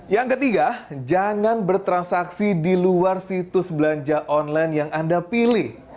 yang ketiga jangan bertransaksi di luar situs belanja online yang anda pilih